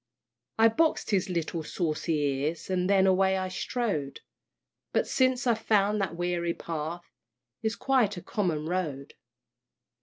I box'd his little saucy ears, And then away I strode; But since I've found that weary path Is quite a common road.